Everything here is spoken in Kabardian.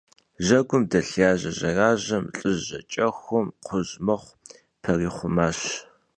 Жьэгум дэлъ яжьэ жьэражьэм лӏыжь жьакӏэхум кхъужь мыхъу пэрихъумащ.